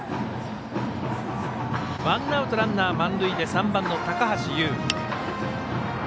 ワンアウト、ランナー満塁で３番の高橋友。